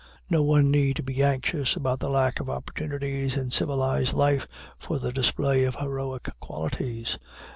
No one need be anxious about the lack of opportunities in civilized life for the display of heroic qualities.